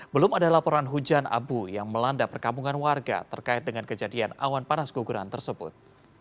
belum ada laporan hujan abu yang melanda perkampungan warga terkait dengan kejadian awan panas guguran tersebut